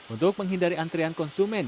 untuk menghindari antrian konsum